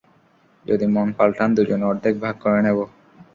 যদি মন পাল্টান, দুজনে অর্ধেক ভাগ করে নেবো।